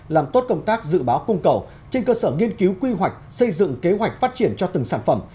làm tốt công tác dự báo cung cầu trên cơ sở nghiên cứu quy hoạch xây dựng kế hoạch phát triển cho từng sản phẩm